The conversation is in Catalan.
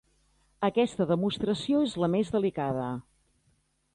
Aquesta demostració és la més delicada.